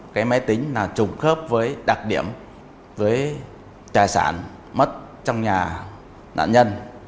cái máy tính là trùng khớp với đặc điểm với tài sản mất trong nhà nạn nhân